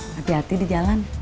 hati hati di jalan